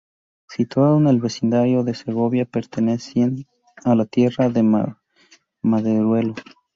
Situado en el Vecindario de Segovia, pertenecía a la Tierra de Maderuelo.